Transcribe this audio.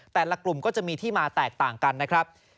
แต่ละกลุ่มก็จะมีที่มาแตกต่างกันนะครับ